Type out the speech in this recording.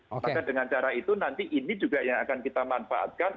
maka dengan cara itu nanti ini juga yang akan kita manfaatkan